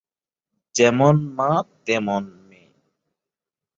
যেমন মা, তেমন মেয়ে।